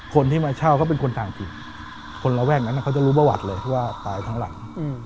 คนที่มาเช่าเขาเป็นคนต่างถิ่นคนระแวกนั้นเขาจะรู้ประวัติเลยว่าตายทั้งหลัง